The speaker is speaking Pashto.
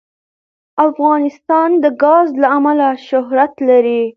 افغانستان د ګاز له امله شهرت لري.